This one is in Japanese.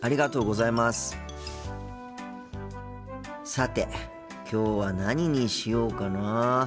さてきょうは何にしようかな。